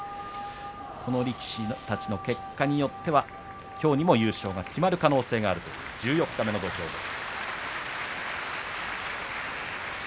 この力士たちの結果によってはきょうにも優勝が決まる可能性がある十四日目の土俵です。